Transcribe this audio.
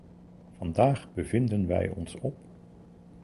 Vandaag bevinden wij ons op .